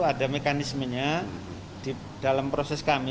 ada mekanismenya di dalam proses kami